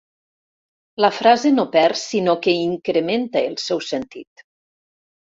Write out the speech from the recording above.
La frase no perd sinó que incrementa el seu sentit.